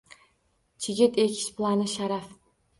Chigit ekish plani sharaf.